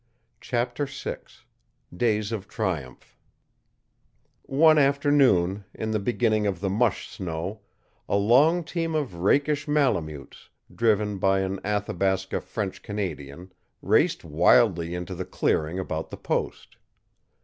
CHAPTER VI DAYS OF TRIUMPH One afternoon, in the beginning of the mush snow, a long team of rakish Malemutes, driven by an Athabasca French Canadian, raced wildly into the clearing about the post.